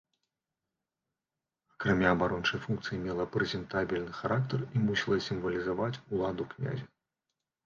Акрамя абарончай функцыі мела прэзентабельны характар і мусіла сімвалізаваць уладу князя.